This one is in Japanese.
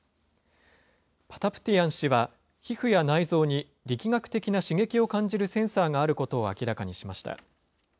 パタプティアン氏は、皮膚や内臓に力学的な刺激を感じるセンサーがあることを明らかにしました。